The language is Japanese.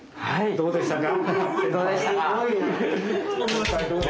どうでしたか？